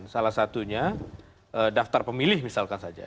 salah satunya daftar pemilih misalkan saja